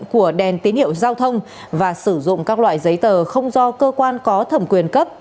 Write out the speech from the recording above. của đèn tín hiệu giao thông và sử dụng các loại giấy tờ không do cơ quan có thẩm quyền cấp